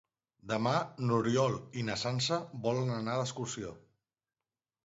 Demà n'Oriol i na Sança volen anar d'excursió.